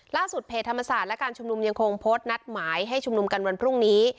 เพจธรรมศาสตร์และการชุมนุมยังคงโพสต์นัดหมายให้ชุมนุมกันวันพรุ่งนี้